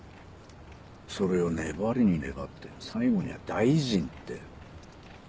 それを粘りに粘って最後には大臣って。